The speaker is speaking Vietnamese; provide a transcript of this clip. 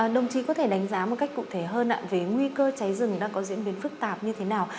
đồng chí có thể đánh giá một cách cụ thể hơn ạ nguy cơ cháy rừng đang có diễn biến phức tạp như thế nào